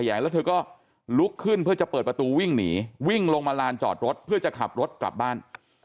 แล้วเธอก็ลุกขึ้นเพื่อจะเปิดประตูวิ่งหนีวิ่งลงมาลานจอดรถเพื่อจะขับรถกลับบ้าน